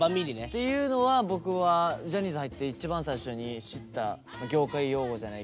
っていうのは僕はジャニーズ入って一番最初に知った業界用語じゃないけど。